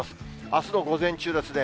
あすの午前中ですね。